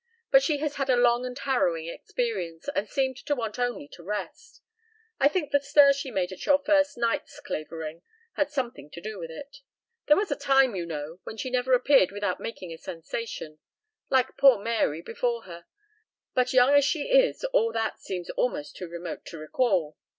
But she has had a long and harrowing experience, and seemed to want only to rest. I think the stir she made at your first nights, Clavering, had something to do with it. There was a time, you know, when she never appeared without making a sensation like poor Mary before her but young as she is all that seems almost too remote to recall.